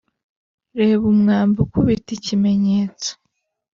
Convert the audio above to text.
reba umwambi ukubita ikimenyetso;